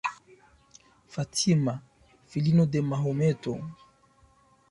Fatima, filino de Mahometo.